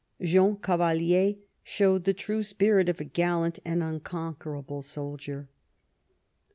Jean Cavalier showed the true spirit of a gallant and unconquerable soldier.